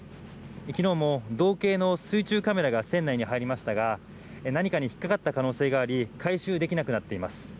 昨日も道警の水中カメラが船内に入りましたが何かに引っかかった可能性があり回収できなくなっています。